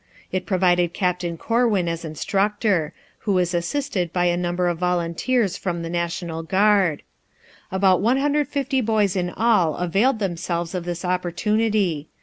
It provided Captain Corwin as instructor, who was assisted by a number of volunteers from the National Guard. About 150 boys in all availed themselves of this opportunity.